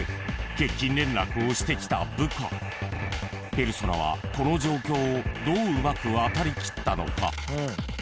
［ペルソナはこの状況をどううまく渡りきったのか？］